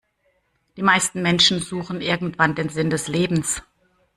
Die meisten Menschen suchen irgendwann den Sinn des Lebens.